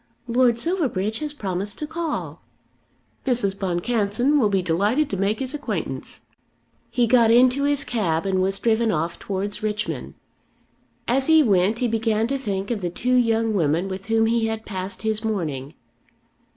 "Lord Silverbridge has promised to call." "Mrs. Boncassen will be delighted to make his acquaintance." He got into his cab and was driven off towards Richmond. As he went he began to think of the two young women with whom he had passed his morning.